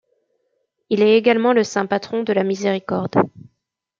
Il est également le saint patron de la miséricorde.